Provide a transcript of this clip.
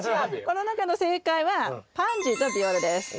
この中の正解はパンジーとビオラです。